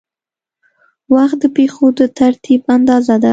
وخت د پېښو د ترتیب اندازه ده.